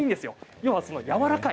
要は、やわらかい。